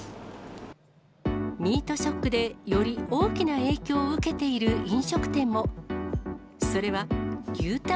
ミートショックでより大きな影響を受けている飲食店も。